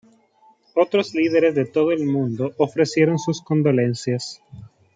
Otros líderes de todo el mundo ofrecieron sus condolencias.